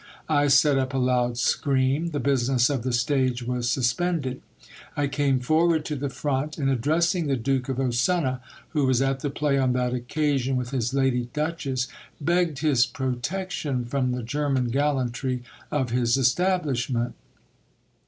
I set up a loud scream : the business of the stage was suspended. I came forward to the front, and, ad dressing the Duke of Ossuna, who was at the play on that occasion with his lady duchess, begged his protection from the German gallantry of his establish ment.